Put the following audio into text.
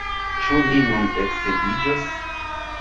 Ĉu ni nun eksedziĝos!